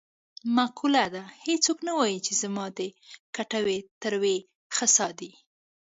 معقوله ده: هېڅوک نه وايي چې زما د کټوې تروې خسا دي.